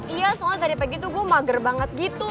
iya soalnya tadi pagi itu gue mager banget gitu